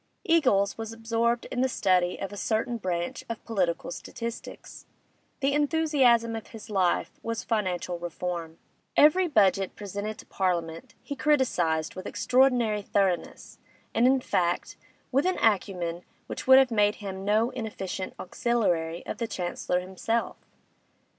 Eagles was absorbed in the study of a certain branch of political statistics; the enthusiasm of his life was Financial Reform. Every budget presented to Parliament he criticised with extraordinary thoroughness, and, in fact, with an acumen which would have made him no inefficient auxiliary of the Chancellor himself.